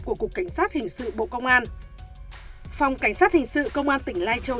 của cục cảnh sát hình sự bộ công an phòng cảnh sát hình sự công an tỉnh lai châu